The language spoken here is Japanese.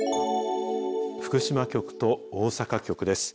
福島局と大阪局です。